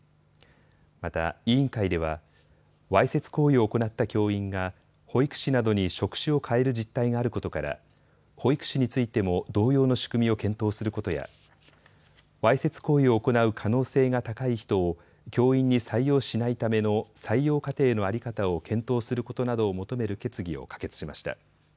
また委員会ではわいせつ行為を行った教員が保育士などに職種を変える実態があることから保育士についても同様の仕組みを検討することやわいせつ行為を行う可能性が高い人を教員に採用しないための作業過程の在り方を検討することなどを求める決議を可決しました。